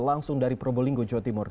langsung dari probolinggo jawa timur